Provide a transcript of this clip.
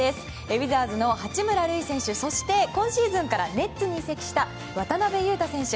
ウィザーズの八村塁選手そして、今シーズンからネッツに移籍した渡邊雄太選手。